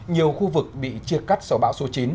nhiều khu vực bị chia cắt sau bão số chín